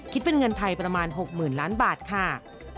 คิดเป็นเงินไทยประมาณ๖๐๐๐ล้านบาทค่ะ